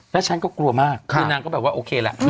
และชั้นก็กลัวมากขึ้นนางก็แบบว่าโอเคแล้ว